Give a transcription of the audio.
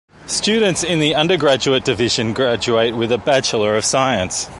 Students in the undergraduate division graduate with a Bachelor of Science.